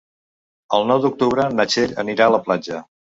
El nou d'octubre na Txell anirà a la platja.